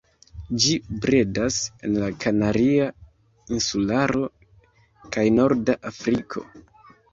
Ĝi bredas en la Kanaria Insularo kaj norda Afriko.